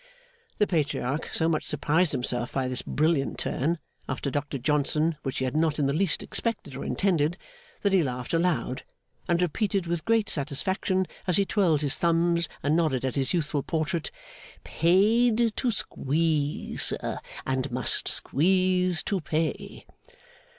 The Patriarch so much surprised himself by this brilliant turn, after Dr Johnson, which he had not in the least expected or intended, that he laughed aloud; and repeated with great satisfaction, as he twirled his thumbs and nodded at his youthful portrait, 'Paid to squeeze, sir, and must squeeze to pay.